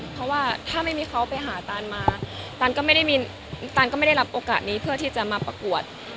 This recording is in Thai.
เพราะว่าถ้าไม่มีเขาไปหาตานมาตานก็ไม่ได้มีตานก็ไม่ได้รับโอกาสนี้เพื่อที่จะมาประกวด